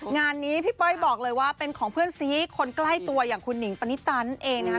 งานนี้พี่ป้อยบอกเลยว่าเป็นของเพื่อนซีคนใกล้ตัวอย่างคุณหนิงปณิตานั่นเองนะคะ